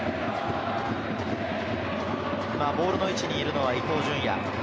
ボールの位置にいるのは伊東純也。